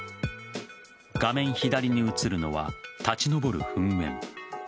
画面左に映るのは立ち上る噴煙。